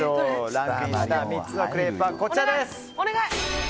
ランクインした３つのクレープはこちらです。